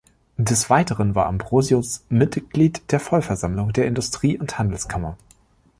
Des Weiteren war Ambrosius Mitglied der Vollversammlung der Industrie- und Handelskammer.